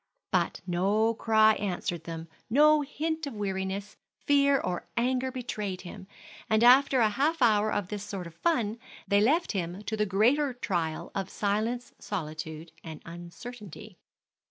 But no cry answered them, no hint of weariness, fear, or anger betrayed him, and after a half hour of this sort of fun, they left him to the greater trial of silence, solitude, and uncertainty.